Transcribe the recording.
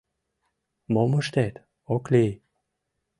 Мом ыштет, ок лий!..